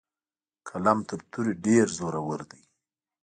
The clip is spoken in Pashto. قلم تر تورې ډیر زورور دی.